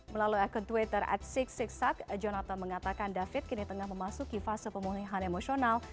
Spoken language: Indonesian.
melalui akun twitter at sik siksak jonathan mengatakan david kini tengah memasuki fase pemulihan emosional